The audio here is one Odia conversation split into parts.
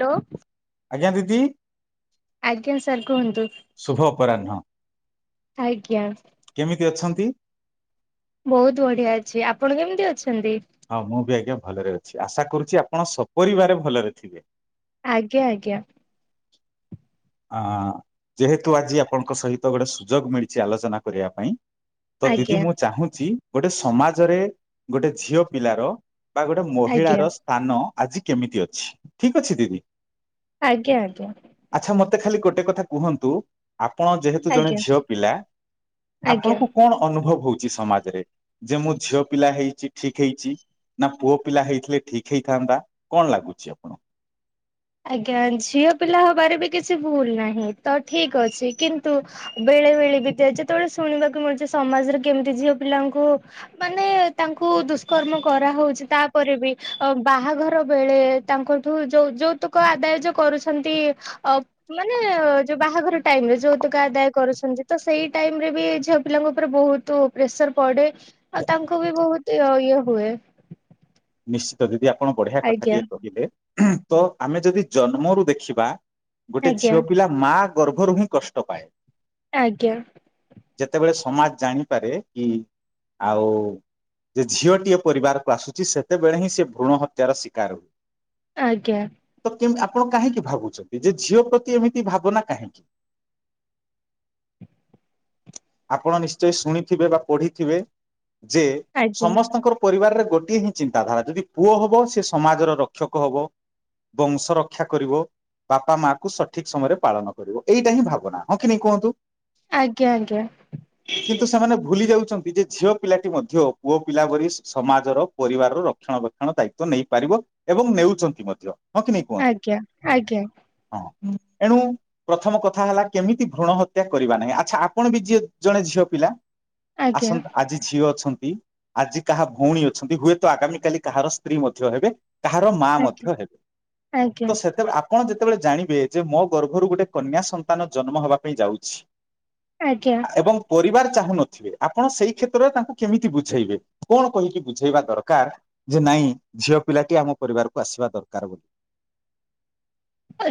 ହାଲୋ। ଆଜ୍ଞା ଦିଦି। ଆଜ୍ଞା ସାର୍ କୁହନ୍ତୁ। କରାର ହଁ ଆଜ୍ଞା କି ଅଛନ୍ତି। ବହୁତ ବଢିଆ ଅଛି ଆପଣ କେମିତି ଅଛନ୍ତି। ହଁ ମୁଁ ବି ଆଜ୍ଞା ଭଲରେ ଅଛି ଆଶା କରୁଛି ଆପଣ ସପରିବାର ଭଲରେ ଥିବେ। ଆଜ୍ଞା ଆଜ୍ଞା ଅ ଯେହେତୁ ଆଜି ଆପଣଙ୍କ ସହିତ ଗୋଟେ ସୁଯୋଗ ମିଳିଛି ଆଲୋଚନା କରିବା ପାଇଁ ତ ଦିଦି ଆଜ୍ଞା ମୁଁ ଚାହୁଁଛି। ଗୋଟେ ସମାଜରେ ଗୋଟେ ଝିଅ ପିଲାର ବା ଗୋଟେ ମହିଳା ଆଜ୍ଞା ର ସ୍ଥାନ ଆଜି କେମିତି ଅଛି ଠିକ ଅଛି ଦିଦି ଆଜ୍ଞା ଆଜ୍ଞା ଆଚ୍ଛା ମତେ ଖାଲି ଗୋଟେ କଥା କୁହନ୍ତୁ। ଆପଣ ଯେହେତୁ ଆଜ୍ଞା ଜଣେ ଆଜ୍ଞା ଝିଅ ପିଲା ଆଜ୍ଞା ଆପଣଙ୍କୁ କଣ ଅନୁଭବ? ହଉଛି ସମାଜରେ ଯେ ମୁଁ ଝିଅ ପିଲା ହେଇଛି ଠିକ ହେଇଛି ନା ପୁଅ ପିଲା ହେଇଥିଲେ ଠିକ ହେଇଥାନ୍ତା କଣ ଲାଗୁଛି ଆପଣ ଆଜ୍ଞା ଝିଅ ପିଲା ହବାରେ ବି କିଛି ଭୁଲ ନାହିଁ ତ ଠିକ ଅଛି କିନ୍ତୁ ବେଳେ ବେଳେ ବି ଯେତେବେଳେ ଶୁଣିବାକୁ ମିଳୁଛି ସମାଜରେ କେମିତି ଝିଅ ପିଲାଙ୍କୁ ମାନେ ତାଙ୍କୁ ଦୁଷ୍କର୍ମ କରାହଉଛି ତାପରେ ବି ବାହାଘର ବେଳେ ତାଙ୍କଠୁ ଯୋଉ ଯୋଉ ତ ଆଦାୟ ଯୋଉ କରୁଛନ୍ତି ଅ ମାନେ ଯୋଉ ବାହାଘର ଟାଇମ ରେ ଯୋୌତୁକ ଆଦାୟ କରୁଛନ୍ତି ତ ସେଇ ଟାଇମ ରେ ବି ଝିଅ ପିଲାଙ୍କ ଉପରେ ବହୁତ ପ୍ରେସର ପଡେ ଆଉ ତାଙ୍କୁ ବି ବହୁତ ଇଏ ହୁଏ। ନିଶ୍ଚିତ ଯେଦଆ ଆପଣ ବଢିଆ ଆଜ୍ଞା କଥାଟିିକେ କହିଲେ ତ ଆମେ ଯଦି ଜନ୍ମରୁ ଦେଖିବା ଗୋଟେ ଆଜ୍ଞା ଝିଅ ପିଲା ମା ଗର୍ଭରୁ ହିଁ କଷ୍ଟ ପାଏ। ଆଜ୍ଞା ଯେତେବେଳେ ସମାଜ ଜାଣିପାରେ କି ଆଉ ଯେ ଝିଅଟିଏ ପରିବାରକୁ ଆସୁଛି ସେ ସେତେବେଳେ ହିଁ ସେ ଭ୍ରୂଣ ହତ୍ୟାର ଶିକାର ହୁଏ। ଆଜ୍ଞା ତ କେ ଆପଣ କାହିଁକି ଭାବୁଛନ୍ତି ଯେ ଝିଅ ପ୍ରତି ଏମିତି ଭାବନା କାହିଁକି ଆପଣ ନିଶ୍ଚୟ ଶୁଣିଥିବେ ବା ପଢିଥିବେ। ଯେ ଆଜ୍ଞା ସମସ୍ତଙ୍କର ପରିବାରରେ ଗୋଟିଏ ଚିନ୍ତାଧାରା ଯଦି ପୁଅ ହବ ସେ ସମାଜର ରକ୍ଷକ ହବ ବଂଶ ରକ୍ଷା କରିବ ବାପା ମା କୁ ସଠିକ ସମୟରେ ପାଳନ କରିବ ଏଇଟା ହିଁ ଭାବନା ହଁ କି ନି କୁହନ୍ତୁ। ଆଜ୍ଞା ଆଜ୍ଞା କିନ୍ତୁ ସେମାନେ ଭୁଲି ଯାଉଛନ୍ତି। ନିଜ ଝିଅ ପିଲାଟି ମଧ୍ୟ ପୁଅ ପିଲା ପରି ସମାଜର ପରିବାରର ରକ୍ଷଣାବେକ୍ଷଣ ଦାୟିତ୍ଵ ନେଇପାରିବ ଏବଂ ନେଉଛନ୍ତି ମଧ୍ୟ ହଁ କି ନେଇ କୁହନ୍ତୁ ଆଜ୍ଞା ଆଜ୍ଞା । ହଁ ଏଣୁ ପ୍ରଥମ କଥା ହେଲା କେମିତି ଭ୍ରଣ ହତ୍ୟା କରିବା ନାହିଁ ଆଚ୍ଛା ଆପଣ ବି ଯିଏ ଜଣେ ଝିଅ ପିଲା ଆଜ୍ଞା ଆସନ୍ତୁ ଆଜି ଝିଅ ଅଛନ୍ତି। ଆଜି କାହା ଭଉଣୀ ଅ ଛନ୍ତି। ହୁଏତ ଆଗାମୀ କାଲି କାହାର ସ୍ତ୍ରୀ ମଧ୍ୟ ହେବେ କାହାର ମା ମଧ୍ୟ ଆଜ୍ଞା ହେବେ। ତ ଆଜ୍ଞା ସେତେବେଳେ ଆପଣ ଯେ ଯେତେବେଳେ ଜାଣିବେ ଯେ ମୋ ଗର୍ଭରୁ ଗୋଟେ କନ୍ୟା ସନ୍ତାନ ଜନ୍ମ ହେବା ପାଇଁ ଯାଉଛି ଆଜ୍ଞା ଏବଂ ପରିବାର ଚାହୁଁ ନଥିବେ ଆପଣ ସେଇ କ୍ଷେତ୍ରରେ ତାଙ୍କୁ କେମିତି ବୁଝେଇବେ କଣ କହିକି? ବୁଝେଇବା ଦରକାର ଯେ ନାଇଁ ଝିଅ ପିଲାଟି ଆମ ପରିବାରକୁ ଆସିବା ଦରକାର ବୋଲି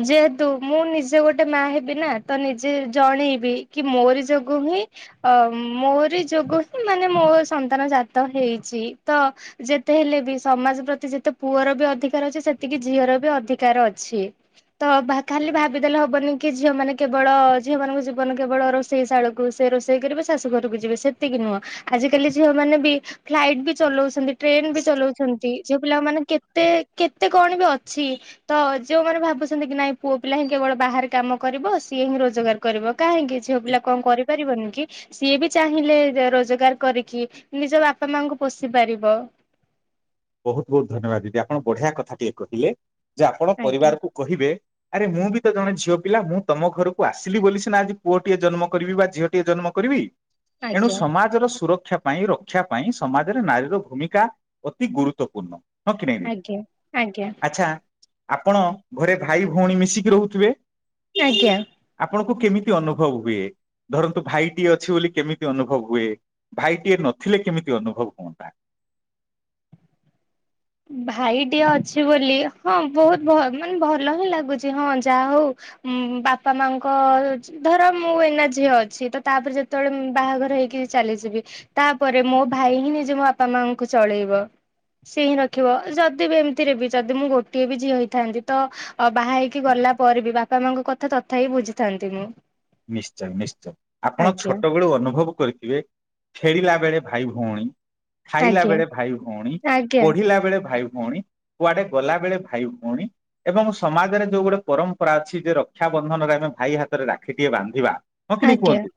ଯେହେତୁ ମୁଁ ନିଜେ ଗୋଟେ ମା ହେବି ନା ତ ନିଜେ ଜଣେଇବି କି ମୋରି ଯୋଗୁ ହିଁ ମୋରି ଯୋଗୁ ହିଁ ମାନେ ମୋ ସନ୍ତାନ ଜାତ ହେଇଛି ତ ଯେତେ ହେଲେ ବି ସମାଜ ପ୍ରତି ଯେତେ ପୁଅର ବି ଅଧିକାର ଅଛି ସେତିକି ଝିଅର ବି ଅଧିକାର ଅଛି । ତ ଖାଲି ଭାବିଦେଲେ ହବନି କି ଝିଅ ମାନ କେବଳ ଝିଅ ମାନଙ୍କୁ ଜୀବନ କେବଳ ରୋଷେଇ ଶାଳକୁ ସେ ରୋଷେଇ କରିବେ ଶାଶୁ ଘରକୁ ଯିବେ ସେତିକି ନୁହଁ ଆଜିିକାଲି ଝିଅ ମାନେ ବି ଫ୍ଲାଇଟ ବି ଚଲାଉଛନ୍ତି ଟ୍ରେନ ବି ଚଲାଉଛନ୍ତି ଝିଅ ପିଲାମାନେ କେତେ କେତେ କଣ ବି ଅଛି ତ ଯଉମାନେ ଭାବୁ ବୁଛନ୍ତି କି ନାଇଁ ପୁଅ ପିଲା ହିଁ କେବଳ ବାହାରେ କାମ କରିବ ସିଏ ହିଁ ରୋଜଗାର କରିବ କାହିଁକି ଝିଅ ପିଲା କଣ କରିପାରିବନି କି ସିଏ ବି ଚାହିଁଲେ ରୋଜଗାର କରିକି ନିଜ ବାପା ମାଙ୍କୁ ପୋଷି ପାରିବ । ବହୁତ ବହୁତ ଧନ୍ୟବାଦ ଦିଦି ଆପଣ ବଢିଆ କଥା ଟିକେ କହିଲେ । ଯେ ଆପଣ ପରିବାର ଆଜ୍ଞା କୁ କହିବେ ଆରେ ମୁଁ ବି ତ ଜଣେ ଝିଅ ପିଲା ମୁଁ ତମ ଘରକୁ ଆସିଲି ବୋଲି ସିନା ଆଜି ପୁଅ ଟିଏ ଜନ୍ମ କରିବି ବା ଝିଅ ଟିଏ ଜନ୍ମ କରିବି । ଏଣୁ ଆଜ୍ଞା ସମାଜର ସୁରକ୍ଷା ପାଇଁ ରକ୍ଷା ପାଇଁ ସମାଜରେ ନାରୀର ଭୂମିକା ଅତି ଗୁରୁତ୍ୱପୂର୍ଣ୍ଣ । ହ କି ନହିଁ ଆଜ୍ଞା ଆଜ୍ଞା ଦିଦି ଆଚ୍ଛା ଆପଣ ଘରେ ଭାଇ ଭଉଣୀ ମିଶିକି ରହୁଥିବେ । ଆଜ୍ଞା । ଆପଣଙ୍କୁ କେମିତି ଅନୁଭବ ହୁଏ ଧରନ୍ତୁ ଭାଇଟିଏ ଅଛି ବୋଲି କେମିତି ଅନୁଭବ ହୁଏ ଭାଇଟିଏ ନଥିଲେ କେମିତି ଅନୁଭବ ହୁଅନ୍ତା । ଭାଇଟିିକେ ଅଛି ବୋଲି ହଁ ବହୁତ ମାନେ ଭଲ ହିଁ ଲାଗୁଛି ହଁ ଯାହା ହଉ ବାପା ମାଙ୍କ ଧର ମୁଁ ଏଇନ ଝି ଅଛି ତ ତାପରେ ଯେତେବେଳେ ବାହାଘର ହେଇକି ଚାଲିଯିବି ତାପରେ ମୋ ଭାଇ ହିଁ ନିଜେ ମୋ ବାପା ମାଙ୍କୁ ଚଳେଇବ। ସେ ହିଁ ର ଦେଖିବ ଯଦି ବି ଏମିତିରେ ବି ଯଦି ମୁଁ ଗୋଟିଏ ବି ଝିଅ ହେଇଥାନ୍ତି ତ ବାହା ହେଇକି ଗଲା ପରେ ବି ବାପା ମାଙ୍କ କଥା ତଥାପି ହିଁ ବୁଝିଥାନ୍ତି ମୁଁ । ନିଶ୍ଚୟ ନିଶ୍ଚୟ ଆପଣ ଛୋଟବେେଳୁ ଅନୁଭବ କରିଥିବେ ଖେଳିଲା ବେଳେ ଭାଇ ଭଉଣୀ ଖାଇଲା ଆଜ୍ଞା ବେଳେ ଭାଇ ଭଉଣୀ ଆଜ୍ଞା ପଢିଲା ବେଳେ ଭାଇ ଭଉଣୀ ଭଉଣୀ କୁଆଡେ ଗଲା ବେଳେ ଭାଇ ଭଉଣୀ ଏବଂ ସମାଜରେ ଯୋଉ ଗୋଟେ ପରମ୍ପରା ଅଛି ଯେ ରକ୍ଷାବନ୍ଧନରେ ଆମେ ଭାଇ ହାତରେ ରାଖ ଆଖିଟିଏ ବାନ୍ଧିବା ହଁ କିନି ଆଜ୍ଞା କୁହନ୍ତୁ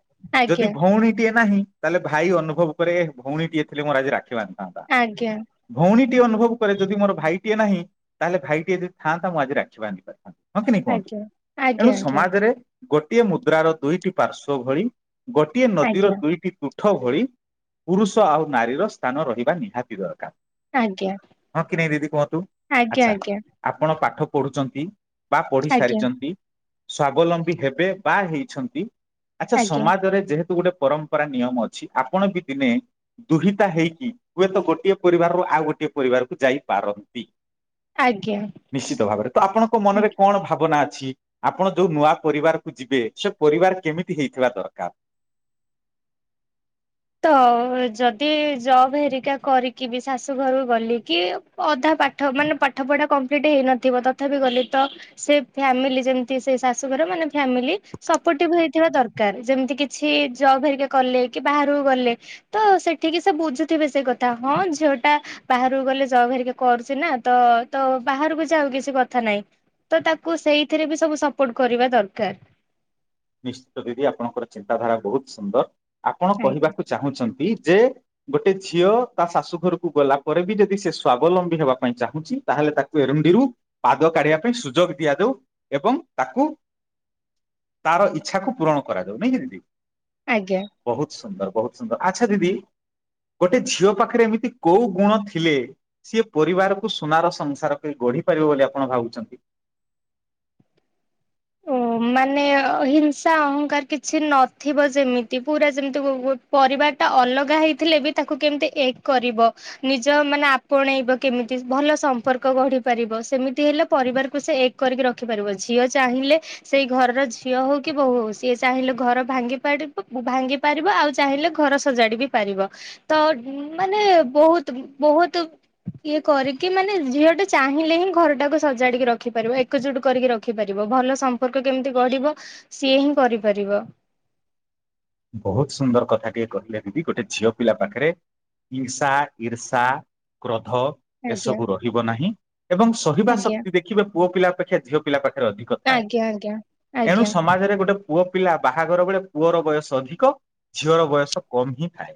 ଯଦି ଆଜ୍ଞା ଭଉଣୀଟିଏ ନାହିଁ ତାହେଲେ ଭାଇ ଅନୁଭବ କରେ ଭଉଣୀଟିଏ ଥିଲେ ମୋର ଆଜି ରାଖିବାନ ଥାନ୍ତା ଆଜ୍ଞା ଭଉଣୀ ଅନୁଭବ କରେ ଯଦି ମୋର ଭାଇଟିଏ ନାହିଁ ତାହେଲେ ଭାଇଟିଏ ଯଦି ଥାନ୍ତା ମୁଁ ଆଜି ରାକ୍ଷୀ ବାନ୍ଧି ପାରିଥାନ୍ତି । ହଁ କି ନି କୁହନ୍ତୁ ଏଣୁ ଆଜ୍ଞା। ସମାଜରେ ଗୋଟିଏ ମୁଦ୍ରାର ଦୁଇଟି ପାର୍ଶ୍ଵ ଭଳି ଗୋଟିଏ ନଦୀର ଆଜ୍ଞା ଦୁଇଟି ତୁ ଠ ଭଳି ପୁରୁଷ ଆଉ ନାରୀର ସ୍ଥାନ ରହିବା ନିହାତି ଦରକାର। ଆଜ୍ଞା ଆଜ୍ଞା ଆଜ୍ଞା ଆଜ୍ଞା ହଁ କି ନାହିଁ ଦିଦି କୁହନ୍ତୁ ଆଜ୍ଞା ଆଚ୍ଛା ଆପଣ ପା ପଢୁଚନ୍ତି। ବା ପଢି ଆଜ୍ଞା ସାରିଚନ୍ତି। ସ୍ବାବଲମ୍ବୀ ଏବେ ବା ହେଇଛନ୍ତି। ଆଚ୍ଛା ଆଜ୍ଞା ସମାଜରେ ଯେହେତୁ ପରମ୍ପରା ନିୟମ ଅଛି ଆପଣ ବି ଦିନେ ଦୁହିତା ହେଇକି ହୁଏତ ଗୋଟିଏ ପରିବାରରୁ ଆଉ ଗୋଟିଏ ପରିବାରକୁ ଯାଇପାରନ୍ତି। ଆଜ୍ଞା ନିଶ୍ଚିତ ଭାବରେ ତ ଆପଣଙ୍କ ଆଜ୍ଞା। ମନରେ କଣ ଭାବନା? ଛି ଆପଣ ଯୋଉ ନୂଆ ପରି କୁ ଯିବେ ସେ ପରିବାର କେମିତି ହେଇଥିବା ଦରକାର? ତ ଯଦି ଜବ ହେରିକା କରିକି ବି ଶାଶୁଘରୁ ଗଲି କିି ଅଧା ପାଠ ମାନେ ପାଠ ପଢା କମ୍ପ୍ଲିଟ ହେଇନଥିବ ତଥାପି ଗଲି ତ ସେ ଫ୍ୟାମିଲି ଯେମତି ସେ ଶାଶୁଘର ମାନେ ଫ୍ୟାମିଲି ସପୋଟେବଲ ହେଇଥିବା ଦରକାର ଯେମିତି କିଛି ଜବ୍ ହେରିକା କଲେ କି ସବୁ ଗଲେ ତ ସେଠିକି ସେ ବୁଝୁଥିବେ ସେ କଥା ହଁ ଝିଅଟା ବାହାରକୁ ଗଲେ ଜବ ହେରିକା କରୁଚି ନା ତ ତ ବାହାରକୁ ଯାଉ କିଛି କଥା ନାହିଁ ତ ତାକୁ ସେଇଥିରେ ବି ସବୁ ସପୋର୍ଟ କରିବା ଦରକାର। ନିଶ୍ଚିତ ଦିଦି ଆପଣଙ୍କର ଚିନ୍ତାଧାରା ବହୁତ ସୁନ୍ଦର। ଆପଣ ଆଜ୍ଞା। କହିବାକୁ ଚାହୁଁଚ ଇ ଯେ ଗୋଟେ ଝିଅ ତା ଶାଶୁ ଘରକୁ ଗଲା ପରେ ବି ଯଦି ସେ ସ୍ଵାବଲମ୍ବୀ ହେବା ପାଇଁ ଚାହୁଁଛି ତାହେଲେ ତାକୁ ଏରୁଣ୍ଡିରୁ ପାଦ କାଢିବା ପାଇଁ ସୁଯୋଗ ଦିଆଯାଉ ଏବଂ ତାକୁ ତାର ଇଚ୍ଛାକୁ ପୂରଣ କରାଯାଉ ନାଇଁ କି ଦିଦି। ଆଜ୍ଞା। ବହୁତ ସୁ ବହୁତ ସୁନ୍ଦର ଆଚ୍ଛା ଦିଦି ଗୋଟେ ଝିଅ ପାଖରେ ଏମିତି କୋଉ ଗୁଣ ଥିଲେ ସିଏ ପରିବାରକୁ ସୁନାର ସଂସାର କରି ଗଢି ପାରିବ ବୋଲି ଆପଣ ଭାବୁଚନ୍ତି। ଓ ମାନେ ହିଂସା ଅହଙ୍କାର କିଛି ନଥିବ ଯେମିତି ପୁରା ଯେମିତି ଗୋ ଗୋ ପରିବାର ଟା ଅଲଗା ହେଇଥିଲେ ବି ତାକୁ କେମିତି ଏକ କରିବ ନିଜ ମାନେ ଆପଣେଇବ କେମିତି ଭଲ ସମ୍ପର୍କ ଗଢି ପାରିବ ସେମିତି ହେଲେ ପରିବାରକୁ ସେ ଏକ କରିକି ରଖିପାରିବ ଝିଅ। ଚାହିଁଲେ ସେଇ ଘରର ଝିଅ ହଉ କି ବୋହୁ ହୋଉ ସିଏ ଚାହିଁଲେ ଘର ଭାଙ୍ଗି ପାଡିବ ଭାଙ୍ଗି ପାରିବ ଆଉ ଚାହିଁଲେ ଘର ସଜାଡି ବି ପାରିବ ତ ମାନେ ବହୁତ ବହୁତ ଇଏ କରିକି ମାନେ ଝିଅ ଟା ଚାହିଁଲେ ହିଁ ଘରଟାକୁ ସଜାଡିକି ରଖିପାରିବ ଏକଜୁଟ କରିକି ରଖିପାରିବ। ଇବ ଭଲ ସମ୍ପର୍କ କେମିତି ଗଢିବ ସିଏ ହିଁ କରିପାରିବ। ବହୁତ ସୁନ୍ଦର କଥା ଟିଏ କହିଲେ ଦିଦି ଗୋଟେ ଝିଅ ପିଲା ପାଖରେ ଇର୍ସା ଇର୍ସା ଧ ଆଜ୍ଞା ଏସବୁ ରହିବ ନାହିଁ। ଏବଂ ସହିବା ଆଜ୍ଞା ଶକ୍ତି ଦେଖି ପୁଅ ପିଲା ଅପେକ୍ଷା ଝିଅ ପିଲା ରେ ଅଧିକ ଥାଏ। ଆଜ୍ଞା ଏଣୁ ଆଜ୍ଞା। ସମାଜରେ ଗୋଟେ ପିଲା ବାହାଘର ବେଳେ ପୁଅର ବୟସ ଅଧିକ ଝିଅର ବୟସ କମ ହିଁ ଥାଏ।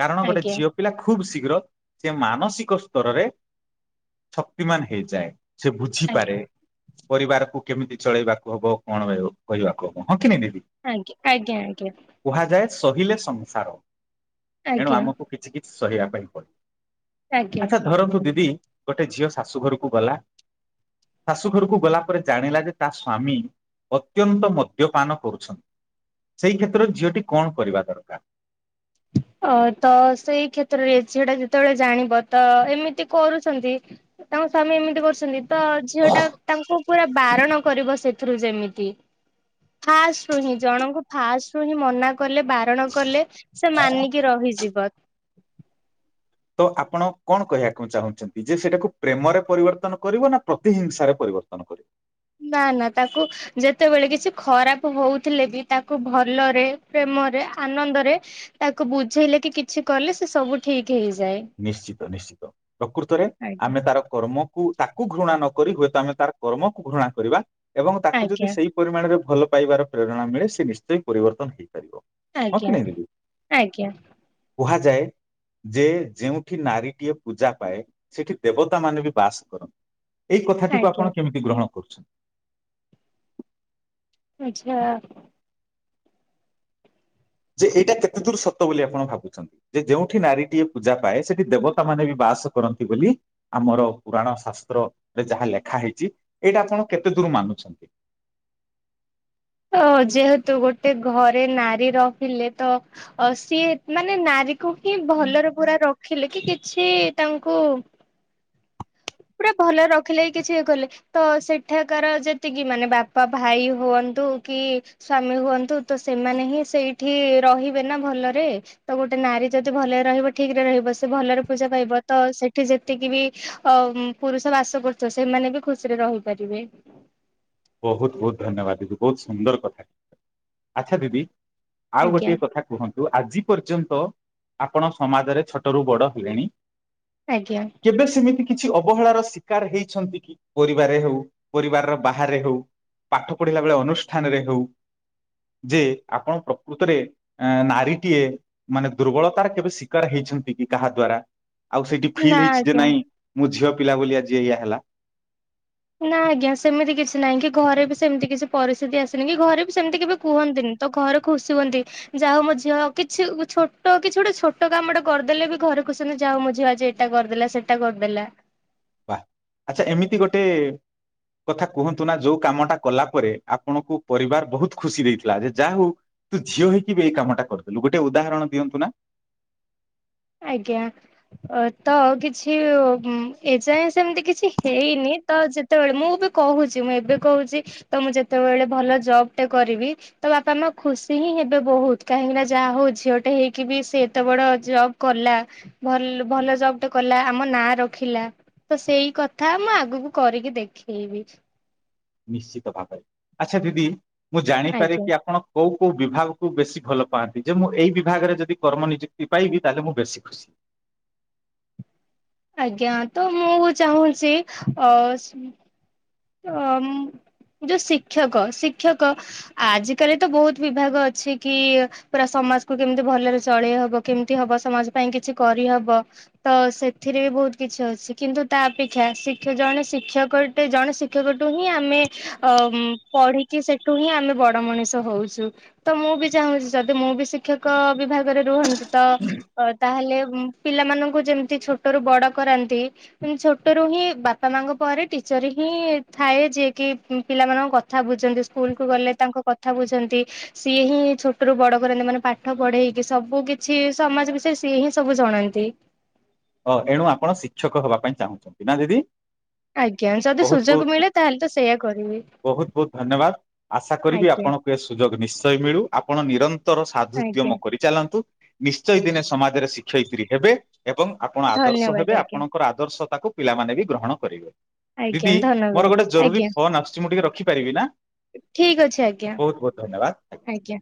କାରଣ ଗୋଟେ ଆଜ୍ଞା ଝିଅ ପିଲା ଖୁବ୍ ସି ଘ୍ର ସେ ମାନସିକ ସ୍ତରରେ ଶକ୍ତିମାନ ହେଇଯାଏ। ସେ ବୁଝିପାରେ। ଆଜ୍ଞା ପରିବାରକୁ କେମିତି ଚଳେଇବାକୁ ହବ କଣ କରି କହିବାକୁ ହବ ହଁ କି ନାଇ ଦିଦି। ଆଜ୍ଞା ଆଜ୍ଞା ଆଜ୍ଞା ଆଜ୍ଞା କୁହାଯାଏ ସହିଲେ ସଂସାର। ଏଣୁ ଆଜ୍ଞା ଆମକୁ କିଛି କିଛି ସହିବା ପାଇଁ ପଡ ଆଜ୍ଞା ଆଚ୍ଛା ଧରନ୍ତୁ ଦିଦି ଗୋଟେ ଝିଅ ଶାଶୁ ଘରକୁ ଗଲା ଶାଶୁ ଘରକୁ ଗଲା ପରେ ଜାଣିଲା ଯେ ତା ସ୍ଵାମୀ ଅତ୍ୟନ୍ତ ମଦ୍ୟପାନ କରୁଛନ୍ତି ସେଇ କ୍ଷେତ୍ର ଝିଅଟି କଣ କରିବା ଦରକାର ଅ ତ ସେଇ କ୍ଷେତ୍ରରେ ସେଟା ଯେତେବେଳେ ଜାଣିବ ତ ଏମିତି କରୁଛନ୍ତି ତାଙ୍କ ସ୍ୱାମୀ ଏମିତି କରୁଛନ୍ତି ତ ଝିଅଟା ତାଙ୍କୁ ପୁରା ବାରଣ କରିବ ସେଥିରୁ ଯେମିତି ଫାଷ୍ଟ ରୁ ହିଁ ଜଣଙ୍କୁ ଫାଷ୍ଟରୁୁ ହିଁ ମନା କଲେ ବାରଣ କଲେ ମାନିକି ରହିଯିବ। ତ ଆପଣ କଣ କହିବାକୁ ଚାହୁଁଛନ୍ତି ଯେ ସେଇଟାକୁ ପ୍ରେମରେ ପରିବର୍ତ୍ତନ କରିବ ନା ପ୍ରତିହିିଂସାରେ ପରିବର୍ତ୍ତନ କରିବ। ନା ନା ତାକୁ ଯେତେବେଳେ କିଛି ଖରାପ ହଉଥିଲେ ବି ତାକୁ ଭଲରେ ପ୍ରେମରେ ଆନନ୍ଦରେ ତାକୁ ବୁଝେଇଲେ କି କିଛି କଲେ ସେ ସବୁ ଠିକ ହେଇଯାଏ। ନିଶ୍ଚିତ ନିଶ୍ଚିତ ପ୍ରକୃତରେ ଆଜ୍ଞା। ଆମେ ତାର କର୍ମ କୁ ତାକୁ ଘୃଣା ନ କରି ହୁଏତ ଆମେ ତାର କର୍ମକୁ ଘୃଣା କରିବା ଏବଂ ତାକୁ ଯଦି ଆଜ୍ଞା ସେଇ ପରିମାଣରେ ଭଲ ପାଇବାର ପ୍ରେରଣା ମିଳେ ସେ ନିଶ୍ଚୟ ପରିବର୍ତ୍ତନ ହେଇ ଆଜ୍ଞା ଆଜ୍ଞା। କୁହାଯାଏ ଯେ ଯେଉଁଠି ନାରୀଟିଏ ପୂଜା ପାଏ ସେଠି ଦେବତା ମାନେ ବି ବାସ କରନ୍ତି। ଏଇ କଥାଟିକୁ ଆଜ୍ଞା। ଆପଣ କେମିତି ଗ୍ରହଣ କର କରୁଛନ୍ତି । ଆଚ୍ଛା। ଯେ ଏଇଟା କେତେ ଦୂର ସତ ବୋଲି ଆପଣ ଭାବୁଛନ୍ତି ଯେ ଯେଉଁଠି ନାରୀଟିଏ ପୂଜା ପାଏ ସେଠି ଦେବତା ମାନେ ବି ବାସ କରନ୍ତି ବୋଲି ଆମର ପୁରାଣ ଶାସ୍ତ୍ରରେ ଯାହା ଲେଖା ହେଇଛି ଏଇଟା ଆପଣ କେତେ ଦୂର ମାନୁଛନ୍ତି। ହଁ ଯେହେତୁ ଗୋଟେ ଘରେ ନାରୀ ରହିଲେ ତ ସିଏ ମାନେ ନାରୀକୁ ହିଁ ଭଲରେ ପୁରା ରଖିଲେ କି କିଛି ତାଙ୍କୁ ପୁରା ଭଲରେ ରଖିଲେ କି କିଛି ଇଏ କଲେ ତ ସେଠାକାର ଯେତିକି ମାନେ ବାପା ଭାଇ ହୁଅନ୍ତୁ କି ସ୍ଵାମୀ ହୁଅନ୍ତୁ ତ ସେମାନେ ହିଁ ସେଇଠି ରହିବେ ନା ଭଲରେ ତ ଗୋଟେ ନାରୀ ଯଦି ଭଲରେ ରହିବ ଠିକ ରେ ରହିବ ସେ ଭଲରେ ପୂଜା ପାଇବ ତ ସେଠି ଯେତିକି ବି ପୁରୁଷ ବାସ କରୁଛ ସେମାନେ ବି ଖୁସିରେ ରହିପାରିବେ। ବହୁତ ବହୁତ ଧନ୍ୟବାଦ ଦିଦି ବହୁତ ସୁନ୍ଦର କଥା ଆଚ୍ଛା ଦିଦି ଆଉ ଆଜ୍ଞା ଗୋଟେ କଥା କୁହନ୍ତୁ ଆଜି ପର୍ଯ୍ୟନ୍ତ ଆପଣ ସମାଜରେ ଛୋଟରୁ ବଡ଼ ହେଲେଣି ଆଜ୍ଞା କେବେ ସେମିତି କିଛି ଅବହେଳାର ଶିକାର ହେଇଛନ୍ତି କି ପରିବାର ହଉ ପରିବାରର ବା ହାରେ ହେଉ ପାଠ ପଢିଲା ବେଳେ ଅନୁଷ୍ଠାନରେ ହେଉ ଯେ ଆପଣ ପ୍ରକୃତରେ ନାରୀଟିଏ ମାନେ ଦୁର୍ବଳତାର କେବେ ଶିକାର ହେଇଛନ୍ତି କି କାହା ଦ୍ଵାରା ଆଉ ସେଇଠି ନା ଫିଲ୍ ହେଇଛି ଯେ ଆଜ୍ଞା ନାଇଁ ମୁଁ ଝିଅ ପିଲା ବୋଲି ଆଜିି ଏଇଆ ହେଲା । ନାଁ ଆଜ୍ଞା ସେମିତି କିଛି ନାହିଁ କି ଘରେ ବି ସେମିତି କିଛି ପରିସ୍ଥିତି ଆସିନି କି ଘରେ ବି ସେମିତି କେବେ କୁହନ୍ତିନି ତ ଘରେ ଖୁସି ହୁଅନ୍ତି ଯା ହଉ ମୋ ଝିଅ କିଛି ଛୋଟ କିଛି ଗୋଟେ ଛୋଟ କାମଟେ କରିଦେଲେ ବି ଘରେ ଖୁସି ହୁଅନ୍ତି ଯାହା ହଉ ମୋ ଝିଅ ଆଜି ଏଇଟା କରିଦେଲା ସେଇଟା କରିଦେଲା। ବା ଆଚ୍ଛା ଏମିତି ଗୋଟେ କଥା କୁହନ୍ତୁ ନା ଯୋଉ କାମଟା କଲା ପରେ ଆପଣଙ୍କୁ ପରିବାର ବହୁତ ଖୁସି ଦେଇଥିଲା ଯେ ଯାହା ହଉ ତୁ ଝିଅ ହେଇକି ବି ଏଇ କାମଟା କରିଦେଲୁ ଗୋଟେ ଉଦାହରଣ ଦିଅନ୍ତୁ ନା । ଆଜ୍ଞା ତ ଆଉ କିଛି ଏଯାଏଁ ସେମିତି କିଛି ହେଇନି ତ ଯେତେବେଳେ ମୁଁ ବି କହୁଛି ମୁଁ ଏବେ କହୁଛି ତ ମୁଁ ଯେତେବେଳେ ଭଲ ଜବ୍ ଟେ କରିବି ତ ବାପା ମା ଖୁସି ହିଁ ହେବେ ବହୁତ କାହିଁକି ନା ଯାହା ହଉ ଝିଅଟେ ହେଇକି ବି ସେ ଏତେ ବଡ ଜବ୍ କଲା ଭଲ ଭଲ ଜବ ଟେ କଲା ଆମ ନାଁ ରଖିଲା ତ ସେଇ କଥା ମୁଁ ଆଗକୁ କରିକି ଦେଖେଇବି। ନିଶ୍ଚିତ ଭାବରେ ଆଚ୍ଛା ଦିଦି ମୁଁ ଜାଣିପାରେ ଆଜ୍ଞା କି ଆପଣ କୋଉ କୋଉ ବିଭାଗକୁ ବେଶୀ ଭଲ ପାଆନ୍ତି ଯେ ମୁଁ ଏଇ ବିଭାଗରେ ଯଦି କର୍ମ ନିଯୁକ୍ତି ପାଇବି ତାହେଲେ ମୁଁ ବେଶୀ ଖୁସି। ଆଜ୍ଞା ତ ମୁଁ ଚାହୁଁଛି ଅ ଯୋଉ ଶିକ୍ଷକ ଶିକ୍ଷକ ଆଜିକାଲି ତ ବହୁତ ବିଭାଗ ଅଛି କି ପୁରା ସମାଜ କୁ କେମିତି ଭଲରେ ଚଳେଇ ହବ କେମିତି ହବ ସମାଜ ପାଇଁ କିଛି କରିହବ ତ ସେଥିରେ ବି ବହୁତ କିଛି ଅଛି କିନ୍ତୁ ତା ଅପେକ୍ଷା ଜଣେ ଶିକ୍ଷକଟେ ଜଣେ ଶିକ୍ଷକଠୁ ହିଁ ଆମେ ଅ ପଢିକି ସେଠୁ ହିଁ ଆମେ ବଡ ମଣିଷ ହଉଛୁ ତ ମୁଁ ବି ଚାହୁଁଛି ଯଦି ମୁଁ ବି ଶିକ୍ଷକ ବିଭାଗରେ ରୁହନ୍ତି ତ ତାହେଲେ ପିଲାମାନଙ୍କୁ ଯେମିତି ଛୋଟରୁୁ ବଡ କରାନ୍ତି ଛୋଟରୁୁ ହିଁ ବାପା ମାଙ୍କ ପରେ ଟିଚର ହିଁ ଥାଏ ଯିଏ କି ପିଲାମାନଙ୍କ କଥା ବୁଝନ୍ତି ସ୍କୁଲ କୁ ଗଲେ ତାଙ୍କ କଥା ବୁଝନ୍ତି ସିଏ ହିଁ ଛୋଟରୁୁ ବଡ କରନ୍ତି ମାନେ ପାଠ ପଢେଇକି ସବୁ କିଛି ସମାଜ ବିଷୟରେ ସିଏ ହିଁ ସବୁ ଜଣାନ୍ତି। ଓ ଏଣୁ ଆପଣ ଶିକ୍ଷକ ହବା ପାଇଁ ଚାହୁଁଛନ୍ତି ନା ଦିଦି। ଆଜ୍ଞା ଯଦି ବହୁତ ସୁଯୋଗ ବହୁତ ମିଳେ ତାହେଲେ ତ ସେଇୟା କରିବି ବହୁତ ବହୁତ ଧନ୍ୟବାଦ ଆଶା କରିବି ଆଜ୍ଞା ଆପଣଙ୍କୁ ଏ ସୁଯୋଗ ନିଶ୍ଚୟ ମିଳୁ ଆପଣ ନିରନ୍ତର ସାଧୁଦ୍ୟମ ଆଜ୍ଞା କରିଚାଲନ୍ତୁ ନିଶ୍ଚୟ ଦିନେ ସମାଜରେ ଶିକ୍ଷ ସେଇତ୍ରୀ ହେବେ। ଏବଂ ଆପଣ ଆଦର୍ଶ ହେବେ। ଧନ୍ୟବାଦ ଆଜ୍ଞା। ଆପଣଙ୍କର ଆଦର୍ଶ ତାକୁ ପିଲାମାନେ ବି ଗ୍ରହଣ କରିବେ। ଆଜ୍ଞା ଦିଦି ମୋର ଧନ୍ୟବାଦ ଗୋଟେ ଜରୁରୀ ଆଜ୍ଞା ଫୋନ୍ ଆସୁଛି। ମୁଁ ଟିକେ ରଖିପାରିବି ନା ଠିକ ଅଛି ଆଜ୍ଞା ବହୁତ ବହୁତ ଧନ୍ୟବାଦ। ଆଜ୍ଞା।